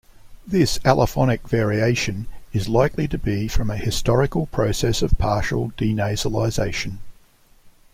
This allophonic variation is likely to be from a historical process of partial denasalization.